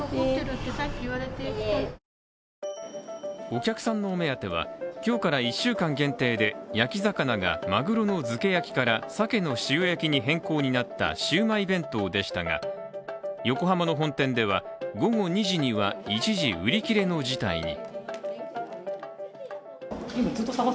お客さんのお目当ては、今日から１週間限定で焼き魚が鮪の漬け焼から鮭の塩焼きに変更になったシウマイ弁当でしたが、横浜の本店では午後２時には一時売り切れの事態に。